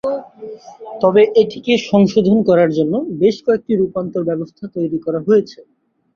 তবে এটিকে সংশোধন করার জন্য বেশ কয়েকটি রূপান্তর ব্যবস্থা তৈরি করা হয়েছে।